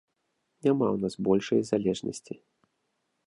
Няма ў нас большай залежнасці.